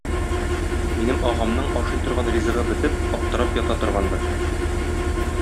Минем агамның ашый торган ризыгы бетеп, аптырап ята торгандыр.